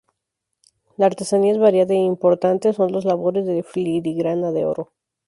La artesanía es variada e importantes son las labores de filigrana de oro.